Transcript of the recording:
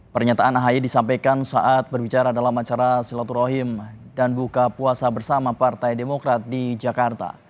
pernyataan ahy disampaikan saat berbicara dalam acara silaturahim dan buka puasa bersama partai demokrat di jakarta